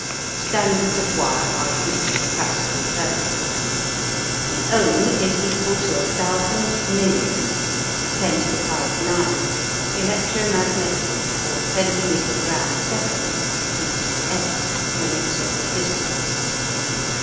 Standards of wire are used for practical purposes. The ohm is equal to a thousand million, 10^9, electromagnetic or Centimetre Gramme Second ("C. G. S.") units of resistance.